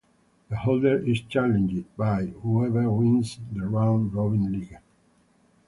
The holder is challenged by whoever wins the round robin league.